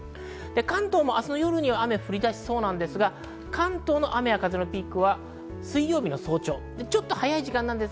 関東も明日の夜には雨が降り出しそうですが、関東の雨風のピークは水曜日の早朝です。